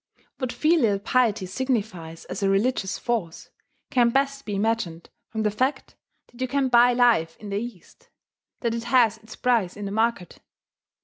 What filial piety signifies as a religious force can best be imagined from the fact that you can buy life in the East that it has its price in the market.